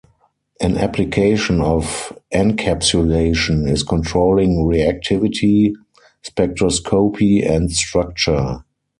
An application of encapsulation is controlling reactivity, spectroscopy, and structure.